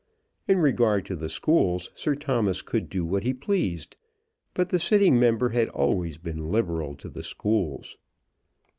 In regard to the schools, Sir Thomas could do what he pleased; but the sitting members had always been liberal to the schools.